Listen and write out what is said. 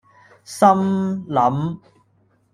心諗